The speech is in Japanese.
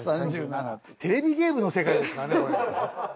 テレビゲームの世界ですからねこれ。